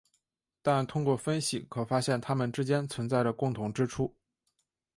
但通过分析可发现它们之间存在着共同之处。